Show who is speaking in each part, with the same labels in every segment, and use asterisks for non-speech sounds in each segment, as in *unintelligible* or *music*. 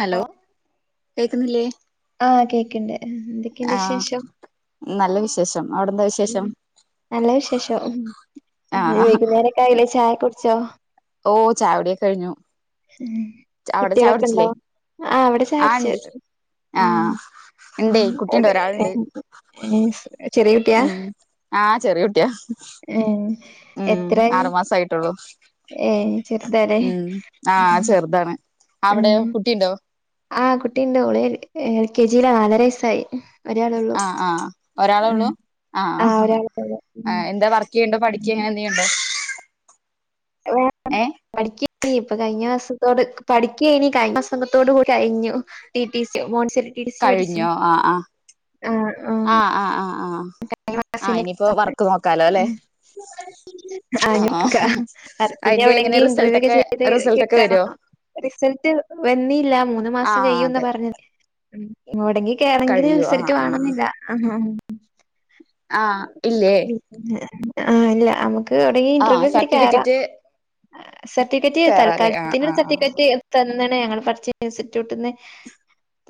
Speaker 1: Hello കേക്ക്ണില്ലേ
Speaker 2: ആ കേക്ക്ണ്ട് എന്തക്കെയ്ണ്ട് വിശേഷം
Speaker 1: നല്ല വിശേഷം അവിടെന്താ
Speaker 2: ഉം
Speaker 1: വിശേഷം
Speaker 2: നല്ല വിശേഷം ഇന്ന്
Speaker 1: ആഹ്
Speaker 2: വൈകുന്നേരക്കായിലേ ചായ കുടിച്ചോ
Speaker 1: ഓ ചായൊടിയെ കഴിഞ്ഞു
Speaker 2: ഉം
Speaker 1: അവിടെ ചായ
Speaker 2: കുട്ടികളൊക്കെണ്ടോ
Speaker 1: കുടിച്ചില്ലേ
Speaker 2: ആ ഇവിടെ
Speaker 1: ആഹ്
Speaker 2: ചായുടിച്ചു
Speaker 1: ഇണ്ട്
Speaker 2: ഉം
Speaker 1: ആഹ്
Speaker 2: ഉം
Speaker 1: ഇണ്ടേ കുട്ടിണ്ട് ഒരാളുണ്ട്
Speaker 2: *unintelligible*
Speaker 1: ഉം ആ ചെറിയൂട്ടിയ
Speaker 2: ഏഹ്
Speaker 1: ഉം
Speaker 2: എത്രായി
Speaker 1: ആറുമാസയിട്ടുള്ളു
Speaker 2: ഏഹ് ചെറുതാല്ലേ
Speaker 1: ഉം ആ
Speaker 2: ഉം
Speaker 1: ചെറ്താണ് അവിടെയോ
Speaker 2: ഉം
Speaker 1: കുട്ടിണ്ടോ?
Speaker 2: ആഹ് കുട്ടീണ്ട് ഓള് എൽ എൽ കെ ജി യി ലാ നാലര വയസായി ഒരാളൊള്ളൂ
Speaker 1: ആഹ് ആഹ് ഒരാളെ
Speaker 2: ഉം
Speaker 1: ഉള്ളൂ
Speaker 2: ആ
Speaker 1: ആഹ്
Speaker 2: ഒരാള്
Speaker 1: എന്താ വർക്ക് ചെയ്യണ്ടോ പഠിക്ക അങ്ങനെ
Speaker 2: *unintelligible*
Speaker 1: എന്തെയ്യുണ്ടോ ഏഹ്
Speaker 2: *unintelligible* ഇപ്പ കഴിഞ്ഞ മാസത്തോട് പഠിക്ക്യേനി കഴിഞ്ഞ മാസത്തോടു കൂടി കഴിഞ്ഞു T T C Montessori T T C പഠിച്ച് ന്
Speaker 1: കഴിഞ്ഞോ ആഹ്
Speaker 2: ആ ആ
Speaker 1: ആഹ് ആഹ് ആഹ് ആഹ് ആഹ്
Speaker 2: *unintelligible*
Speaker 1: ഇനിയിപ്പോ
Speaker 2: *unintelligible*
Speaker 1: വർക്ക് നോക്കാലോ അല്ലെ ആ ആ അയിന്റെ
Speaker 2: പിന്നെവടേ
Speaker 1: എങ്ങനെ
Speaker 2: ഈ ഇന്റർവ്യൂ ഒക്കെ
Speaker 1: റിസൾട്ടൊക്കെ
Speaker 2: ചെയ്ത്
Speaker 1: റിസൾട്ടൊക്കെ വരോ
Speaker 2: കിട്ടണം. റിസൾട്ട് വെന്നീല്ല മൂന്ന്
Speaker 1: ആ
Speaker 2: മാസം കൈയ്യുന്നാ
Speaker 1: അതെ
Speaker 2: പറഞ്ഞത് ഉം എവടെങ്കി കേറങ്കില്
Speaker 1: കഴിയോ ആ
Speaker 2: റിസൽട്ട് വാണംന്നില്ല *unintelligible*
Speaker 1: ആഹ് ഇല്ലേ
Speaker 2: ആഹ ഇല്ല അമുക്ക് *unintelligible* എവടെങ്കി
Speaker 1: ആ
Speaker 2: ഇന്റർവ്യൂ ക്ക് കേറാ
Speaker 1: സർട്ടിഫിക്കറ്റ്
Speaker 2: സർട്ടിവിക്കറ്റ്
Speaker 1: കേറാല്ലേ ആ
Speaker 2: തൽക്കാലത്തി ന്ള്ള
Speaker 1: ആ
Speaker 2: സർട്ടിവിക്കറ്റ് ത ന്ന്ണ് ഞങ്ങള് പഠിച്ച ഇൻസ്റ്റിട്യൂട്ട്ന്ന്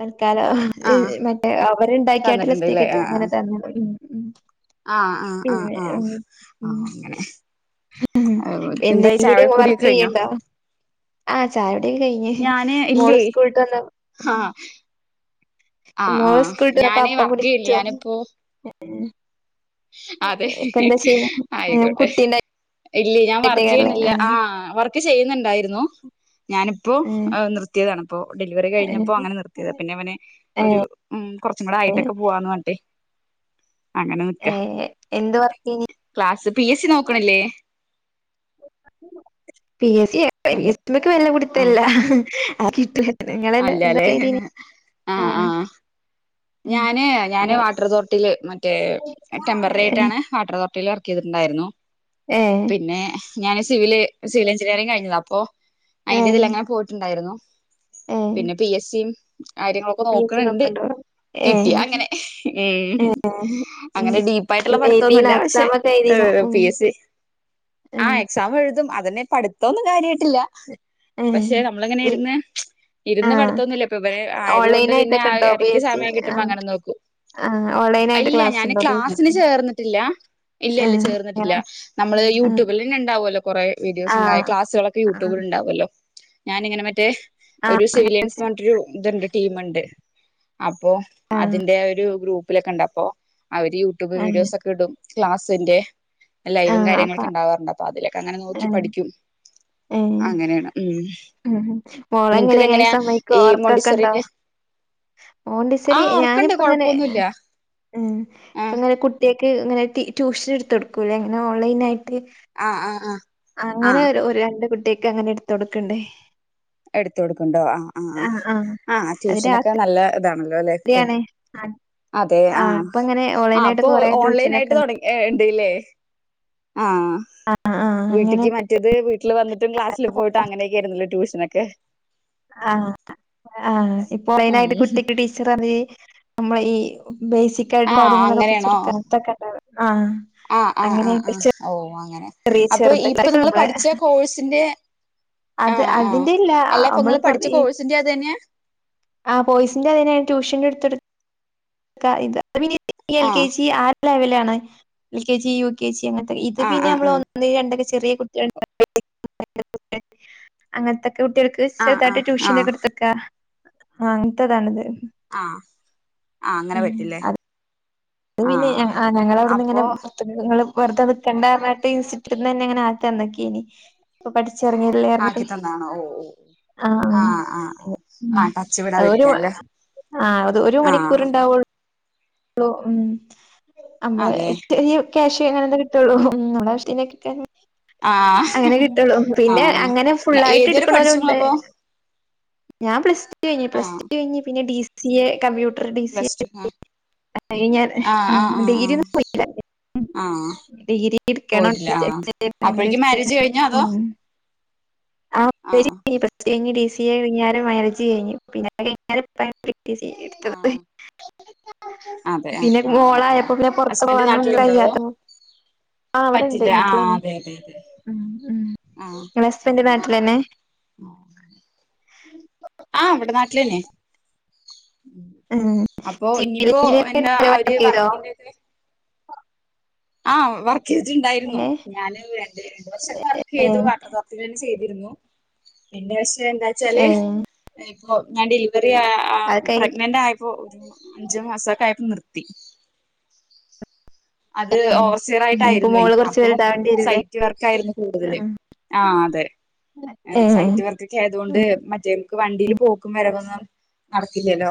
Speaker 2: തൽ ക്കാലം
Speaker 1: ആ ആ
Speaker 2: ഈ മറ്റേ അവ ര്ണ്ടാക്കിയാട്ട്ള്ള
Speaker 1: തന്നിട്ടുണ്ട്ല്ലേ
Speaker 2: സർട്ടിവിക്കറ്റ് അങ്ങനെ തന്ന്ണ്ട്. ഉം ഉം
Speaker 1: ആഹ് ആഹ് ആഹ്
Speaker 2: പിന്നെ
Speaker 1: ആഹ്
Speaker 2: ഉം
Speaker 1: ആ
Speaker 2: ഉം
Speaker 1: അങ്ങനെ എന്തായി ചായ
Speaker 2: എന്തെങ്കിലും
Speaker 1: കുടിയെക്കെ
Speaker 2: വർക്ക്
Speaker 1: കഴിഞ്ഞോ
Speaker 2: ചെയ്യണ്ടോ ആഹ് ചായുടിക്കെ കഴിഞ്‌
Speaker 1: ഞാന്
Speaker 2: മോള്
Speaker 1: ഇല്ലേ
Speaker 2: സ്കൂള്ട്ട് വന്ന
Speaker 1: ആ ആ ആ
Speaker 2: മോള് സ്കൂളിട്ട *unintelligible*
Speaker 1: ഞാന്
Speaker 2: അപ്പം
Speaker 1: വർക്ക് ചെയ്യല്ലേ
Speaker 2: കുടിച്ചു
Speaker 1: ഞാനിപ്പോ
Speaker 2: ഏഹ്
Speaker 1: അതെ
Speaker 2: ചെയ്യണെ
Speaker 1: ആയിക്കോട്ടെ ഇല്യേയ് ഞാൻ
Speaker 2: കുട്ടീണ്ടായിട്ടേക്കാരല്ലേ
Speaker 1: വർക്കിയ്യുന്നില്ല
Speaker 2: ആഹ്
Speaker 1: ആ വർക്ക് ചെയ്യുന്ന്ണ്ടായിരുന്നു ഞാനിപ്പോ നിർത്യ താണ്പ്പോ ഡെലിവറി കഴിഞ്ഞപ്പോ
Speaker 2: ഏഹ്
Speaker 1: അങ്ങനെ നിർത്തിയത പിന്നെ ഇവനെ ഒരു
Speaker 2: ഏഹ്
Speaker 1: ഉം കൊറച്ചും കൂടെ ആയിട്ടക്കെ പൂവാന്ന് പറഞ്ഞിട്ടെ അങ്ങനെ നിക്കാ.
Speaker 2: ഏഹ് എന്ത് വർക്കെയ്നി
Speaker 1: ക്ലാസ് പി എസ് സി നോക്ക്ണില്ലേ
Speaker 2: പി എസ് സി യാ പി
Speaker 1: ഹലോ
Speaker 2: എസ് സി ഇന്ക്ക്‌ വല്ല പിടിത്തല്ല
Speaker 1: അല്ലലേ ആഹ് ആഹ്
Speaker 2: ഉം
Speaker 1: ഞാന് ഞാന്
Speaker 2: ഇങ്ങനെ
Speaker 1: വാട്ടർ അതോറിറ്റിയില് മറ്റേ ടെംമ്പററി
Speaker 2: ഏഹ്
Speaker 1: ആയിട്ടാണ് വാട്ടർ അതോറിറ്റിയില് വർ ക്കീതിട്ട്ണ്ടായിരുന്നു
Speaker 2: ഏഹ്
Speaker 1: പിന്നെ ഞാന് സിവില് സിവിൽ എഞ്ചിനീയറിംഗ് കഴിഞ്ഞതാ അപ്പോ
Speaker 2: ഏഹ്
Speaker 1: അയിന്റതിലങ്ങനെ പോയിട്ട്ണ്ടായിരുന്നു.
Speaker 2: ഏഹ്
Speaker 1: പിന്നെ പി എസ് സിം കാര്യങ്ങളൊക്കെ
Speaker 2: പി എച്ച്
Speaker 1: നോക്ക്ണ് ണ്ട്
Speaker 2: നോക്ക്ണ്ടോ ഏഹ്
Speaker 1: കിട്ടിയാ അങ്ങനെ ഊം
Speaker 2: ഏഹ്
Speaker 1: അങ്ങനെ
Speaker 2: ഏഹ്
Speaker 1: ഡീപ്പായിട്ടുള്ള
Speaker 2: എഴുതീണോ
Speaker 1: പഠിത്തൊന്നൂല്ല പക്ഷെ
Speaker 2: എക്സാമൊക്കെ എഴുതീണോ
Speaker 1: ഇഹ്
Speaker 2: ഉം
Speaker 1: പി എസ് സി
Speaker 2: ഏഹ്
Speaker 1: ആഹ് എക്സാം എഴുതും അതെന്നെ പഠിത്തൊന്നും കാര്യായിട്ടില്ല പക്ഷെ
Speaker 2: ഏഹ്
Speaker 1: നമ്മളിങ്ങനെ ഇര്ന്ന് ഇര്ന്ന്
Speaker 2: ആഹ്
Speaker 1: പഠിത്തൊന്നുംല്ല ഇപ്പൊ ഇവര് ആയത്
Speaker 2: ഓൺലൈൻ
Speaker 1: കൊണ്ട് പിന്നെ
Speaker 2: ആയിട്ടൊക്കെ
Speaker 1: ആഹ്
Speaker 2: ഉണ്ടോ
Speaker 1: എട
Speaker 2: പി എസ് സി
Speaker 1: സമയം
Speaker 2: ആഹ്
Speaker 1: കിട്ടുമ്പങ്ങനെ നോക്കും
Speaker 2: ആഹ് ഓൺലൈൻ ആയിട്ട്
Speaker 1: ഇല്ല
Speaker 2: ക്ലാസ്
Speaker 1: ഞാന്
Speaker 2: ഉണ്ടോ പി എസ്
Speaker 1: ക്ലാസിന്
Speaker 2: സി
Speaker 1: ചേർന്നിട്ടില്ല ഇല്ല ഇല്ല
Speaker 2: ഏഹ്
Speaker 1: ചേർന്നിട്ടില്ല
Speaker 2: അങ്ങനെ
Speaker 1: നമ്മള് യൂട്യൂബിലെന്നെണ്ടാവും കുറേ വീഡിയോസും
Speaker 2: ആഹ്
Speaker 1: *unintelligible* ക്ലാസുകളൊക്കെ
Speaker 2: ആഹ് ആഹ്
Speaker 1: യൂട്യൂബിലുണ്ടാവല്ലോ ഞാനിങ്ങനെ മറ്റേ
Speaker 2: ആഹ്
Speaker 1: ഒരു
Speaker 2: അങ്ങനെ ചെ
Speaker 1: സിവിലിയൻസ്ന്ന് പറഞ്ഞിട്ടൊരു ഇത്ണ്ട് ടീമിണ്ട് അപ്പോ അതിന്റെ ആഹ് ഒരു ഗ്രൂപ്പിലൊക്കെണ്ട് അപ്പോ അവര് യൂട്യൂബ്
Speaker 2: ആഹ്
Speaker 1: വീഡിയോസൊക്കെടും ക്ലാസ്സിന്റെ ലൈവും
Speaker 2: ആഹ് അപ്പ
Speaker 1: കാര്യങ്ങളൊക്കെണ്ടാവാറുണ്ട് അപ്പൊ അതിലൊക്കങ്ങന നോക്കി
Speaker 2: ഏഹ്
Speaker 1: പഠിക്കും
Speaker 2: ഏഹ്
Speaker 1: അങ്ങനെയാണ് ഉം
Speaker 2: ഉം മോളെങ്ങനെ എങ്ങനെ
Speaker 1: നിനക്കിതെങ്ങനെയാ
Speaker 2: സമ്മയ്ക്കോ
Speaker 1: ഈ മോണ്ടിസറിന്റെ ആ
Speaker 2: മോണ്ടിസ്സറി
Speaker 1: ഉറക്കണ്ട്
Speaker 2: ഞാനിപ്പങ്ങനെ
Speaker 1: കൊഴപ്പൊന്നുമില്ല
Speaker 2: ഉം
Speaker 1: ആ
Speaker 2: ഇപ്പ്ങ്ങനെ കുട്ടിയേക്ക് ഇങ്ങനെ ട്യൂഷനിട്ത്ത് കൊടുക്കൂലെ ഇങ്ങനെ ഓൺലൈനായി ട്ട്
Speaker 1: ആ ആ ആ ആ
Speaker 2: അങ്ങനെ ഒരു ഒരു രണ്ട് കുട്ടിയേക്കങ്ങനെ എട്ത്ത് കൊടുക്ക്ണ്ട്
Speaker 1: എട്ത്ത് കൊടുക്ക്ണ്ടോ ആഹ് ആഹ് ആഹ് ആഹ് ആ
Speaker 2: അത്
Speaker 1: ട്യൂഷനൊക്കെ നല്ല അതാണല്ലോല്ലെ ഇപ്പൊ?
Speaker 2: രാത്രിയാണ് ആഹ്
Speaker 1: അതെ ആഹ്
Speaker 2: ഇപ്പങ്ങനെ
Speaker 1: ആഹ്
Speaker 2: ഓൺലൈനായിട്ട്
Speaker 1: പ്പൊ
Speaker 2: കൊറേ
Speaker 1: ഓൺലൈനായിട്ട്
Speaker 2: ട്യൂഷനൊക്കെണ്ട്
Speaker 1: തൊട ഏഹ് ഇണ്ട്ല്ലേ? ആഹ്
Speaker 2: ആഹ് ആഹ് അങ്ങനെ
Speaker 1: വീട്ടിക്ക് മറ്റത് വി വീട്ടില് വന്നിട്ടും ക്ലാസില് പോയിട്ടും അങ്ങനൊക്കെയായിര്ന്ന്ലെ ട്യൂഷനൊക്കെ?
Speaker 2: ആഹ് ആഹ്
Speaker 1: ഉം
Speaker 2: *unintelligible* കുട്ടിക്ക് ടീച്ചർ *unintelligible* നമ്മളെ ഈ
Speaker 1: ആ
Speaker 2: ബേസിക്കായിട്ടുള്ള
Speaker 1: അങ്ങനെയാണോ ആ
Speaker 2: കാര്യങ്ങളൊക്കൊപ്പിച്ചൊട്ക്ക അങ്ങനത്തൊക്കെണ്ടാവാ ആഹ്
Speaker 1: ആഹ് ആഹ് ആഹ്
Speaker 2: അങ്ങനെയായിട്ട്
Speaker 1: ആഹ് ഓ അങ്ങനെ
Speaker 2: ചെറിയ
Speaker 1: അപ്പൊ
Speaker 2: ചെറുത്
Speaker 1: ഇപ്പൊ നിങ്ങള്
Speaker 2: നമ്മളെ
Speaker 1: പഠിച്ച കോഴ്സിന്റെ
Speaker 2: അത്
Speaker 1: ആഹ് ആഹ്
Speaker 2: അതിന്റെ ഇല്ല
Speaker 1: അല്ലപ്പൊ
Speaker 2: നമ്മള്
Speaker 1: ഇങ്ങള്
Speaker 2: പൊറ
Speaker 1: പഠിച്ച
Speaker 2: ഈ
Speaker 1: കോഴ്സിന്റേം അതന്നെയാ
Speaker 2: ആഹ് കോഴ്സിന്റതന്നെ ട്യൂഷനെട്ത്തൊടുക്ക ഇത ത് പിന്നെ എൽ കെ ജി ആഹ് ലെവലാണ് L K G U K G അങ്ങ ഇത്
Speaker 1: ആഹ്
Speaker 2: പിന്നെ
Speaker 1: ആഹ്
Speaker 2: നമ്മള് ഒന്ന് രണ്ടാക്കേ ചെറിയേ കുട്ടിയോള് *unintelligible* അങ്ങനത്തെ കുട്ടികൾക്ക്
Speaker 1: ആഹ്
Speaker 2: ചെറുതായിട്ട്
Speaker 1: ആഹ് ആഹ്
Speaker 2: ട്യൂഷനൊക്കെട്ത്തൊട്ക്കാ ആഹ് അങ്ങനത്തെതാണ്ത്
Speaker 1: ആഹ് ആഹ് അങ്ങനെ പറ്റുംല്ലേ?
Speaker 2: അത് പിന്നെ ആഹ് ഹ് ആഹ് ഞങ്ങളവ്ട്ന്ന് ഇങ്ങനെ *unintelligible* വറുതാ നിക്കണ്ടാർഞ്ട്ടി ൻസ്റ്റിറ്റ്യൂട്ട്ട്ടിന്നന്നെങ്ങനാക്കി തന്ന്ക്കേന് ഇപ്പൊ പഠി
Speaker 1: ആക്കിത്തന്നാണോ ഓഹ് ഓഹ് ആഹ് ആഹ്
Speaker 2: ഉം
Speaker 1: ആഹ് ടച്ച്
Speaker 2: ഒരു
Speaker 1: വിടാതിരിക്കൻല്ലേ
Speaker 2: ആഹ് അത് ഒരു മണിക്കൂറ്ണ്ടാവൊ ള്ളൂ ഉം അമ്മള്
Speaker 1: അതെ
Speaker 2: *unintelligible* ക്യാഷ് അങ്ങനെന്തെ കിട്ടൊള്ളൂ ഉം നമ്മളാവശ്യത്തിനൊക്കെട്കാന്
Speaker 1: ആഹ്
Speaker 2: അങ്ങനെ കിട്ടൊള്ളു പിന്നെ
Speaker 1: ആഹ്
Speaker 2: അങ്ങനെ
Speaker 1: ഏതുവരെ പഠിച്ചു
Speaker 2: ഫുള്ളായിട്ടെട്ക്ക്ണോലുണ്ട്
Speaker 1: നിങ്ങളപ്പോ
Speaker 2: ഞാൻ പ്ലസ്ടു കയ്ഞ്ഞ് പ്ലസ്ടു കയ്ഞ്ഞ് പിന്നെ ഡി സി എ കമ്പ്യൂ
Speaker 1: പ്ലസ്‌ടു ആഹ്
Speaker 2: ആ ഞാൻ
Speaker 1: ആഹ് ആഹ് ആഹ്
Speaker 2: ഡിഗ്രിയൊന്നും പോയ്ട്ടില്ല
Speaker 1: ആഹ് ആഹ്
Speaker 2: ഡിഗ്രി എടുക്കണം
Speaker 1: പോയിട്ടില്ല ആഹ്
Speaker 2: ഡിസ്റ്റൻസ്
Speaker 1: അപ്പോഴേക്കും
Speaker 2: *unintelligible*
Speaker 1: മാരേജ്
Speaker 2: ചെയ്യണം
Speaker 1: കഴിഞ്ഞോ അതോ
Speaker 2: ഉം ആഹ് *unintelligible* പ്ലസ്ടു കയ്ഞ് ഡി സി എ കയ്ഞ്ഞേരം മാര്യേജ് കയ്ഞ്ഞ് പിന്നെ അത് കയ്ഞ്ഞേരം *unintelligible* ഡി സി എ എട്ത്തത്
Speaker 1: ആഹ് അതെ
Speaker 2: പിന്നെ
Speaker 1: ആ ആ ആ ആ
Speaker 2: മോളായപ്പൊപിന്നെ
Speaker 1: ഹസ്ബൻഡ്
Speaker 2: പൊറത്തെറങ്ങാനും
Speaker 1: നാട്ടിലുണ്ടോ അതോ
Speaker 2: കയ്യാത്തപ്പൊ ആഹ് അവ്ടണ്ട്
Speaker 1: പറ്റില്ല ആ
Speaker 2: നാട്ടിലാണ്
Speaker 1: അതെ അതെ അതെ
Speaker 2: ഉം ഉം
Speaker 1: ആ ആ
Speaker 2: ഇങ്ങളസ്ബൻഡ്
Speaker 1: ആ
Speaker 2: നാട്ടിലെന്നെ?
Speaker 1: *unintelligible*
Speaker 2: *unintelligible*
Speaker 1: ആഹ് ഇവിടെ നാട്ടിലന്നെ. അപ്പൊ ഇനിയിപ്പോ എന്താ
Speaker 2: *unintelligible*
Speaker 1: അവര്
Speaker 2: വക്കതോ
Speaker 1: ആഹ് വർക്ക് ചെയ്തിട്ടുണ്ടായിരുന്നു
Speaker 2: ഏഹ്
Speaker 1: ഞാന് *unintelligible*
Speaker 2: ഏഹ് ഏ
Speaker 1: *unintelligible*
Speaker 2: അത് കഴി
Speaker 1: പ്രേഗ്രന്റ ആയപ്പോ ഒരു അഞ്ചു മാസക്കെ ആയപ്പോ നിർത്തി. പി അത്
Speaker 2: ഏ
Speaker 1: ഓവർസിയർ
Speaker 2: ഇനിയിപ്പോ
Speaker 1: ആയിട്ടായിരുന്നുേ
Speaker 2: മോള് കൊറച്ച്
Speaker 1: അപ്പൊ
Speaker 2: വലുതാവേണ്ടി വരൂല്ലേ
Speaker 1: സൈറ്റ് വർക്ക് ആയിരുന്നു. കൂടുതല്.
Speaker 2: ആഹ്
Speaker 1: ആഹ അതെ
Speaker 2: ഏ
Speaker 1: സൈറ്റ് വർക്ക്ക്കെ ആയതുകൊണ്ട് മറ്റേ ക്ക് വണ്ടിൽ പോക്കും വരവന്നും നടക്കില്ലല്ലോ?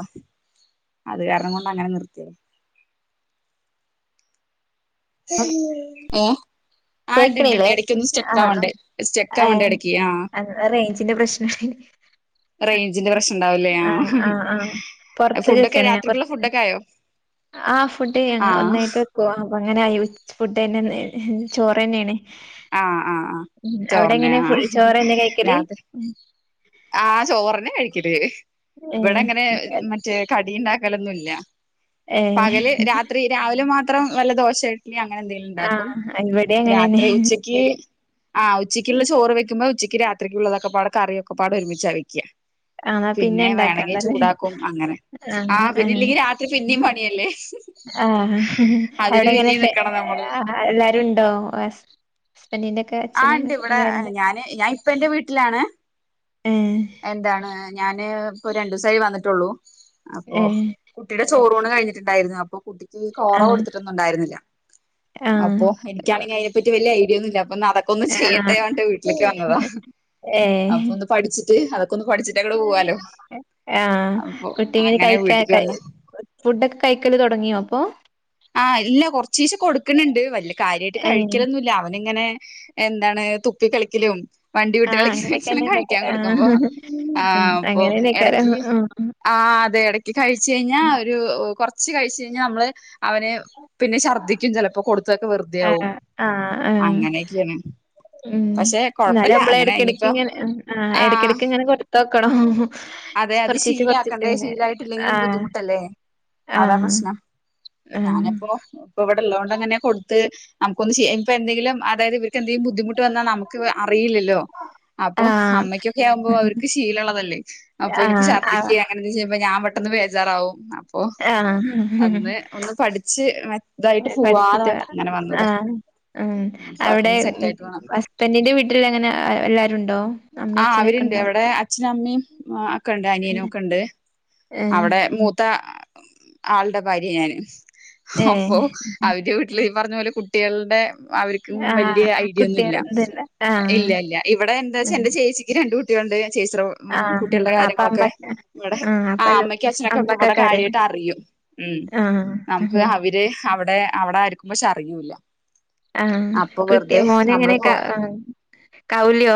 Speaker 1: അത് കാരണം കൊണ്ട് അങ്ങനെ നിർത്തിയത് ഏ
Speaker 2: കേക്കണല്ലേ
Speaker 1: സ്റ്റെക്ക് ആവണ്ട് ഇടയ്ക്ക് ആ
Speaker 2: ആ റേഞ്ചിന്റെ പ്രശ്ന *inaudible*
Speaker 1: റേഞ്ചിന്റെ പ്രശ്നം ഉണ്ടാവുലോ
Speaker 2: ആഹ് ആഹ്
Speaker 1: ആആ
Speaker 2: പൊറത്ത്
Speaker 1: ഫുഡ്ക്കെ രാത്രിക്കുള്ള ഫുഡൊക്കെ ആയോ?
Speaker 2: ആഹ ഫുഡ്
Speaker 1: ആഹ്
Speaker 2: ഒന്നായിട്ട് വെക്കു അപ്പ അങ്ങനെ ഫുഡ് തന്നെ ചോറ് തന്നെയാണ്.
Speaker 1: ആ
Speaker 2: ഉം അവിടെ എങ്ങനെ ചോറ് തന്നെ കഴിക്കല്
Speaker 1: ആഹ ചോറിനെ കഴിക്കല് ഇവിടെ
Speaker 2: ഏഹ്
Speaker 1: അങ്ങനെ മറ്റേ കടി ഉണ്ടാക്കലൊന്നുംല്ല.
Speaker 2: ഏഹ്
Speaker 1: പകല് രാത്രി രാവിലെ മാത്രം നല്ല ദോശ അങ്ങനെ എന്തെങ്കിലും ഉണ്ടാക്കും.
Speaker 2: ആഹ് ഇവിടെ അങ്ങനെന്നെ
Speaker 1: രാത്രി ഉച്ചക്ക്. ആഹ ഉച്ചയ്ക്കുള്ള ചോറ് വെക്കുമ്പോ ഉച്ചക്ക് രാത്രിക്കക്ക്ള്ളതൊക്കൊ കറിയൊക്കെ പാട് ഒരുമിച്ചാ വെക്കാ.
Speaker 2: ആഹ്
Speaker 1: പിന്നെ വേണെങ്കിൽ
Speaker 2: ഇണ്ടാക്കണ്ടല്ലേ
Speaker 1: ചൂടാക്കും. അങ്ങനെ ആ
Speaker 2: ആഹ്
Speaker 1: പിന്നെ ഇല്ലെങ്കിൽ രാത്രി പിന്നീ എല്ലേ നിക്കണം നമ്മള്
Speaker 2: ആ
Speaker 1: ആ ഉണ്ട് ഇവിടെ ഞാന് ഞാൻ ഇപ്പ എന്റെ വീട്ടിലാണ്.
Speaker 2: ഏഹ്
Speaker 1: എന്താണ് ഞാന് ഇപ്പൊ രണ്ടു ദിവസായി വന്നിട്ടുള്ളൂ. അപ്പൊ
Speaker 2: ഏഹ്
Speaker 1: കുട്ടിയുടെ ചോറൂണ്. കഴിഞ്ഞിട്ടുണ്ടായിരുന്നു. അപ്പൊ *unintelligible*
Speaker 2: ആഹ്
Speaker 1: കൊടുത്തിട്ടൊന്നുംണ്ടായിരുന്നില്ല
Speaker 2: ആഹ്
Speaker 1: അപ്പൊ എനിക്കാണെങ്കിൽ അതിനെപ്പറ്റി വലിയ ഐഡിയ ഒന്നുമില്ല അ അതൊക്കെ ഒന്ന്
Speaker 2: ആഹ്
Speaker 1: ചെയ്യട്ടെ വട്ട് വീട്ടിലേക്ക് വന്നതാ. അപ്പൊ
Speaker 2: ഏഹ്
Speaker 1: ഒന്ന് പഠിച്ചിട്ട് അതൊ പഠിച്ചിട്ട് ഓക്കെ പോവാലോ
Speaker 2: ആഹ്
Speaker 1: അപ്പൊ അങ്ങനെ വീട്ടക്ക് വന്ന
Speaker 2: ഫുഡ് ഒക്കെ കൈക്കല് തുടങ്ങിയോ ഇപ്പൊ.
Speaker 1: ആഹ് ഇല്ല കൊറച്ചിച കൊടുക്കണണ്ട്. വല്യ കാര്യമായിട്ട്
Speaker 2: ഏഹ്
Speaker 1: കഴിക്കലൊന്നുമില്ല. അവൻങ്ങനെ എന്താണ് തുപ കളിക്കലും. വണ്ടി
Speaker 2: ആഹ്
Speaker 1: വട്ടുകളികലാണ് കഴിക്കാൻ
Speaker 2: അങ്ങനെയൊക്കെന്നെക്കാരം
Speaker 1: കൊടുക്കുമ്പോ
Speaker 2: ആഹ്
Speaker 1: ആ
Speaker 2: ഉം
Speaker 1: അപ്പൊ
Speaker 2: അങ്ങനെന്നെക്കാരം
Speaker 1: ഇടക്ക്.
Speaker 2: ഉം
Speaker 1: ആ അതെ ഇടക്ക് കഴിച്ച കഴിഞ്ഞാ ഒരു കൊറച്ച് കഴിച്ച കഴിഞ്ഞാൽ. നമ്മള് അവന്. പിന്നെ ഛർദ്ദിക്കും ചിലപ്പോ കൊടുത്തൊക്കെ വെറുതെ ആകും.
Speaker 2: ആഹ് ആഹ് ആഹ്
Speaker 1: അങ്ങനെ
Speaker 2: ഉം എന്നാലും നമ്മള് ഇടയ്ക്കിടക്ക്
Speaker 1: ഇനിയിപ്പോ
Speaker 2: ഇങ്ങനെ
Speaker 1: ആ
Speaker 2: ഇടക്കിടയ്ക്ക് ഇങ്ങനെ കൊടുത്തോക്കണം.
Speaker 1: അതെ അത്
Speaker 2: കൊറച്ചീച്ചെ കൊറച്ചീച്ചെ
Speaker 1: ശീലാക്കണ്ടേ
Speaker 2: ഇങ്ങനെ
Speaker 1: ശീലായിട്ടില്ലെങ്കിലും
Speaker 2: ആഹ്
Speaker 1: ബുദ്ധിമുട്ടല്ലേ? അതാ
Speaker 2: ആഹ്
Speaker 1: പ്രശ്നം.
Speaker 2: ആഹ്
Speaker 1: ഞാനിപ്പോ ഇപ്പൊ ഇവിടെ ലോണ്ടങ്ങനെ കൊടുത്ത് നമുക്കൊന്ന് ചെയ്യാൻ ഇപ്പൊ എന്തെങ്കിലും അതായത്. എന്തെങ്കും ബുദ്ധിമുട്ട് വന്നാ നമുക്ക് അറിയില്ലല്ലോ? അപ്പൊ അമ്മയ്ക്കൊക്കെ ആകുമ്പോ അവർക്ക് ശീല്ലാമുളത്താലേ അപ്പൊ
Speaker 2: ആഹ് ആഹ്
Speaker 1: ഛർദിക്കൊ
Speaker 2: ആഹ്
Speaker 1: അങ്ങനെന്ത അപ്പ ഞാൻ പെട്ടന്ന് ബേജാറാവും. അപ്പൊ
Speaker 2: ആഹ്
Speaker 1: അന്ന് ഒന്ന് പഠിച്ച് മതായിട്ട് പോവാന്ന്
Speaker 2: പഠിച്ചിട്ട് വേണം
Speaker 1: അങ്ങനെ വന്നത.
Speaker 2: ആഹ് ഉം അവിടെ ഉ
Speaker 1: ആ അവരുണ്ട് അവിടെ അച അമ്മയും ഒക്ക ഉണ്ട് അനിയനും ഒക്കെ ഉണ്ട്.
Speaker 2: ഏഹ്
Speaker 1: അവിടെ മൂത്ത ആളുടെ ഭാര്യ ഞാന് അപ്പൊ
Speaker 2: ഏഹ്
Speaker 1: അവടെ വീട്ടില് പറഞ്ഞ പോലെ കുട്ടി കുട്ടികളുടെ അവർക്കും വലിയ
Speaker 2: ആഹ്
Speaker 1: ഐഡിയ ഒന്നും ഇല്ല
Speaker 2: കുട്ടികൾ ഇതല്ല ആഹ്
Speaker 1: ഇല്ല ഇല്ല ഇവിടെ എന്താ വച്ചാ എന്റെ ചേച്ചിക്ക് രണ്ട് കു ചേച്ചീടെ ഉം
Speaker 2: ആഹ്
Speaker 1: കുട്ടികളുടെ
Speaker 2: അപ്പൊ
Speaker 1: കാര്യങ്ങളൊക്കെ
Speaker 2: അമ്മക്ക്
Speaker 1: ഇവിടെ
Speaker 2: ആഹ്
Speaker 1: ആ
Speaker 2: അപ്പൊ
Speaker 1: അമ്മയ്ക്കും അച്ഛനൊക്കെ ഇപ്പം ഇവിടെ
Speaker 2: അമ്മക്കൊക്കെ അറിയാം
Speaker 1: കാര്യമായിട്ട് അറിയും ഉം നമുക്ക്
Speaker 2: ആഹ്
Speaker 1: അവര് അവിടെ അവിടെ ആരിക്കും പക്ഷെ അറിയൂല്ല
Speaker 2: ആ
Speaker 1: അപ്പൊ
Speaker 2: കുട്ടി
Speaker 1: വെറുതെ
Speaker 2: മോന് എങ്ങനെ
Speaker 1: നമ്മളിപ്പോ
Speaker 2: കൗല്യോ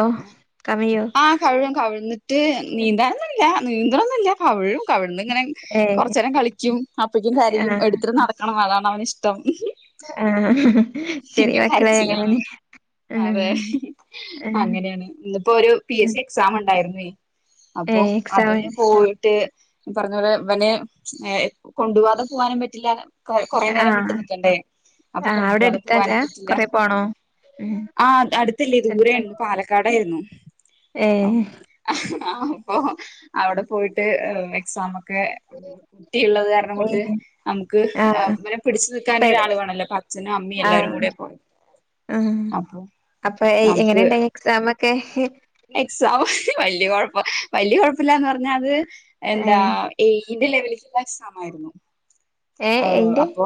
Speaker 2: ക
Speaker 1: ആ കമഴും കമഴ്ന്നിട്ട് നീന്താറൊന്നുമില്ല നീന്തണം ഒന്നുമില്ല കമിഴും കമിഴ്ന്ന് ഇങ്ങനെ
Speaker 2: ഏ
Speaker 1: കൊറച്ച് നേരം കളിക്കും അപ്പഴേക്കും കരയും എടുത്തിട്ട് നടക്കണം അതാണ് അവന് ഇഷ്ടം
Speaker 2: ആ ശെരി
Speaker 1: ഇങ്ങ
Speaker 2: *unintelligible*
Speaker 1: കരച്ചിലാണ്
Speaker 2: എങ്ങനെ
Speaker 1: അതെ അങ്ങനെയാണ് ഇന്നിപ്പോ ഒരു പി എസ്
Speaker 2: ഉം
Speaker 1: സി എക്സാം ഉണ്ടായിരുന്നേ
Speaker 2: ഏ
Speaker 1: അപ്പൊ അതിന്
Speaker 2: എക്സാമിന്
Speaker 1: പോയിട്ട് ഈ പറഞ്ഞപോലെ ഇവനെ കൊണ്ടു പോവാതെ പോകാനും പറ്റില്ലാല്ലോ കൊ കൊറേ നേരം വിട്ട്
Speaker 2: ആഹ്
Speaker 1: നിക്കണ്ടേ അപ്പൊ
Speaker 2: ആഹ് അവിടെ
Speaker 1: കൊണ്ടുപോവാതെ
Speaker 2: അടുത്തല്ല
Speaker 1: പോവാനും പറ്റില്ല
Speaker 2: കൊറെ പോണോ ഉം
Speaker 1: ആ അടുത്തില്ലേ ദൂരെയായിരുന്നു പാലക്കാടായിരുന്നു
Speaker 2: ഏ
Speaker 1: ആ അപ്പൊ അവിടെ പോയിട്ട് എക്സാമൊക്കെ കുട്ടിയുള്ളത് കാരണം കൊണ്ട്
Speaker 2: ഏത്
Speaker 1: നമുക്ക്
Speaker 2: ആഹ്
Speaker 1: ഇവനെ പിടിച്ചു നിൽക്കാൻ
Speaker 2: പെട്
Speaker 1: ഒരാള് വേ ണമല്ലോ അച്ചനും അമ്മി എല്ലാരും കൂടെയാ പോയെ
Speaker 2: മ് അപ്പം എങ്ങനെ
Speaker 1: നമുക്ക്
Speaker 2: ഉണ്ടായി എക്സാം ഒക്കെ
Speaker 1: എക്സാം വലിയ കുഴപ്പം വലിയ കുഴപ്പം ഇല്ലാന്ന് പറഞ്ഞാ അത് എന്താ
Speaker 2: ഏഹ്
Speaker 1: ഈ ആ *unintelligible* എക്സാമായിരുന് ആ നു
Speaker 2: ഏ എയിന്റെ
Speaker 1: അപ്പൊ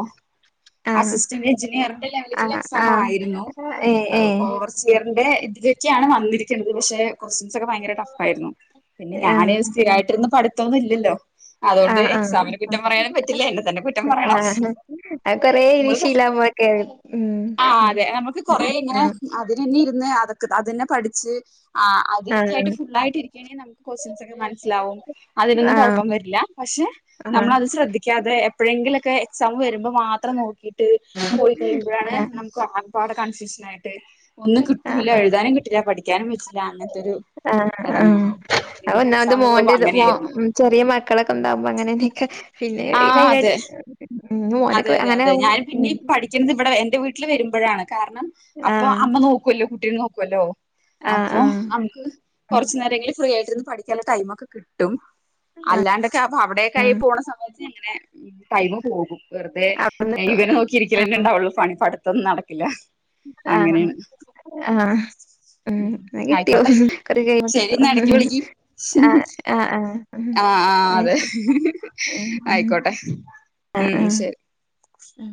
Speaker 2: ആഹ്
Speaker 1: അസിസ്റ്റന്റ് എഞ്ചിനീയറിന്റെ ലെവലിലുള്ള
Speaker 2: ആഹ്
Speaker 1: എക്സാം
Speaker 2: ആഹ്
Speaker 1: ആയിരുന്നു
Speaker 2: ഏഹ് ഏഹ്
Speaker 1: ഓവർ സി അതിന്റെ ഇതിലൊക്കെയാണ് വന്നിരിക്കുന്നത് പക്ഷെ ക്വാസ്റ്റ്യൻസ് ഒക്കെ ഭയങ്കര ടഫ് ആയിരുന്നു പിന്നെ ഞാന് സ്ഥിരായിട്ട് ഇരുന്ന് പടുത്തം ഒന്നുമില്ലല്ലോ അതുകൊണ്ട്
Speaker 2: ആഹ് ആഹ്
Speaker 1: എക്സാമിനെ കുറ്റം
Speaker 2: ആഹ്
Speaker 1: പറയാനും പറ്റില്ല എന്നെ തന്നെ കുറ്റം പറയണം
Speaker 2: ആഹ് അത് കൊറേ ഇനി
Speaker 1: നമ്മള്
Speaker 2: ശീലാവുമ്പോക്കേണ് ഉം
Speaker 1: ആ അതെ നമുക്ക് കൊറെ ഇങ്ങനെ
Speaker 2: ആഹ്
Speaker 1: അതിനന്നെ ഇരു ന്ന് അതൊക്കെ അതന്നെ പഠിച്ച് ആഹ് അതിലിക്ക്
Speaker 2: ആഹ്
Speaker 1: ആയിട്ട് ഫുൾ ആയിട്ട് ഇരിക്കാണെങ്കിൽ നമുക്ക് ക്വാസ്റ്റ്യൻസ് ഒക്കെ മനസ്സിലാവും അതിനൊന്നും
Speaker 2: ആഹ്
Speaker 1: കുഴപ്പം വരില്ല പഷ് പക്ഷെ
Speaker 2: ആഹ്
Speaker 1: നമ്മളത് ശ്രദ്ധിക്കാതെ എപ്പോഴെങ്കിലൊക്കെ എക്സാം വരുമ്പോൾ മാത്രം നോക്കിട്ട് പോയി കഴിയുമ്പോഴാണ്
Speaker 2: ആഹ്
Speaker 1: നമുക്ക് ഒരു പാട് കൺഫ്യൂഷൻ ആയിട്ട് ഒന്നും കിട്ടൂല്ല
Speaker 2: ആഹ്
Speaker 1: എഴുതാനും കിട്ടില്ല പഠിക്കാനും പറ്റില്ല അങ്ങനത്തെ ഒരു
Speaker 2: ആ ആ
Speaker 1: എടങ്ങേറാവും
Speaker 2: അത്
Speaker 1: ഇന്നിപ്പോ
Speaker 2: ഒന്നാമത്
Speaker 1: എക്സാമിന് പോയപ്പോ
Speaker 2: മോന്റെത് മോ
Speaker 1: അങ്ങനെയായിരുന്നു
Speaker 2: ഉം ചെറിയ മക്കളൊക്കെ ഉണ്ടാവുമ്പം അങ്ങനൊക്കെ പിന്നെ ഈ
Speaker 1: ആഹ്
Speaker 2: ലൈനാ
Speaker 1: അതെ അതെ അതെ അതെ ഞാനും പിന്നെയും പഠിക്കുന്നത് ഇവിടെ എന്റെ വീട്ടില് വരുമ്പോഴാണ് കാരണം അപ്പൊ
Speaker 2: ആഹ്
Speaker 1: അമ്മ നോക്കുവല്ലോ കുട്ടിയെ നോക്കുവല്ലോ
Speaker 2: ആഹ്
Speaker 1: അപ്പൊ
Speaker 2: ആഹ്
Speaker 1: നമുക്ക്
Speaker 2: ഉം
Speaker 1: കൊറച്ച് നേരമെങ്കിലും ഫ്രീ ആയിട്ടിരുന്ന് പഠിക്കാനുള്ള ടൈമ് ഒക്കെ കിട്ടും
Speaker 2: ആഹ്
Speaker 1: അല്ലാണ്ടൊക്കെ അപ്പൊ അവിടേക്കായി
Speaker 2: ആഹ്
Speaker 1: പോണ സമയത്ത് അങ്ങനെ ടൈമ് പോകും വെറുതെ
Speaker 2: അവിടുന്ന്
Speaker 1: ഇവനെ നോക്കിയിരിക്കലന്നെ ഇണ്ടാവുള്ളു പണി പടുത്തമൊന്നും നടക്കില്ല
Speaker 2: ആ
Speaker 1: അങ്ങനെയാണ്
Speaker 2: ആ
Speaker 1: ഉം
Speaker 2: മ്
Speaker 1: ആയിക്കോട്ടെ
Speaker 2: *unintelligible* കൊറേ
Speaker 1: ശരി
Speaker 2: കഴിയുമ്പത്തേക്ക്
Speaker 1: എന്നാ ഇടക്ക് വിളിക്ക്
Speaker 2: ആ ആ ആ മ്
Speaker 1: ആ ആ അതെ ആയിക്കോട്ടെ
Speaker 2: ആ
Speaker 1: ഉം
Speaker 2: ആ
Speaker 1: ശരി
Speaker 2: മ്